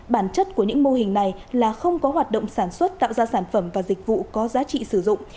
bản chất của những mô hình này là không có hoạt động sản xuất tạo ra sản phẩm và dịch vụ có giá trị sử dụng